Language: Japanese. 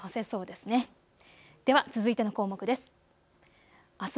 では続いての項目です。